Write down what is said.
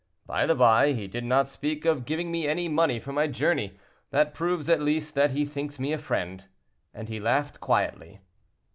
By the by, he did not speak of giving me any money for my journey; that proves at least that he thinks me a friend." And he laughed quietly.